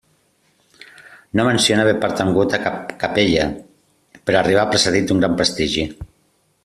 No menciona haver pertangut a cap capella, però arriba precedit d'un gran prestigi.